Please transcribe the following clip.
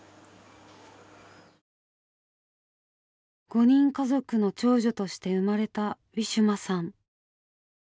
５人家族の長女として生まれたウィシュマさん。